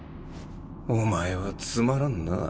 お前はつまらんなぁ。